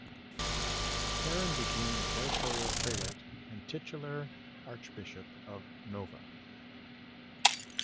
Perrin became the Territorial Prelate and titular archbishop of Nova.